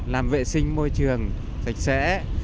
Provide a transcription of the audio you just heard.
làm vệ sinh môi trường sạch sẽ